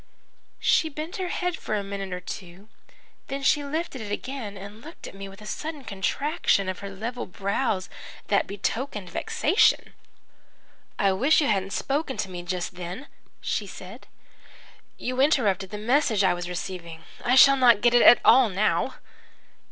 "She bent her head for a minute or two. Then she lifted it again and looked at me with a sudden contraction of her level brows that betokened vexation. "'I wish you hadn't spoken to me just then,' she said. 'You interrupted the message I was receiving. I shall not get it at all now.'